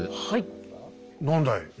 はい。